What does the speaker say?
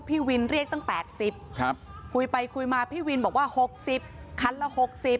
พี่วินเรียกตั้งแปดสิบค่ะคุยไปคุยมาพี่วินบอกว่าหกสิบคันละหกสิบ